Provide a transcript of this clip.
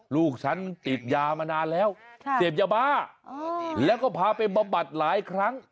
ลูกฉันติดยามานานแล้วเสพยาบ้าแล้วก็พาไปบำบัดหลายครั้ง